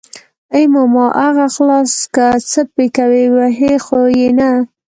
ای ماما اغه خلاص که څه پې کوي وهي خو يې نه.